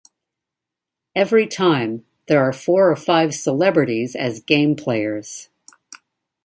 Every time, there are four or five celebrities as game players.